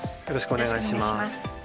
よろしくお願いします。